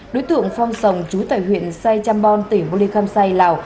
đối tượng phòng sồng trú tại huyện sai chambon tỉnh bô lê khâm sai lào